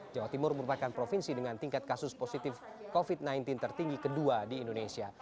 jawa timur merupakan provinsi dengan tingkat kasus positif covid sembilan belas tertinggi kedua di indonesia